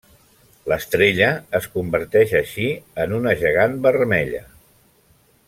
L'estrella es converteix així en una gegant vermella.